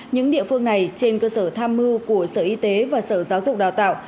những địa phương này trên cơ sở tham mưu của sở y tế và sở giáo dục đào tạo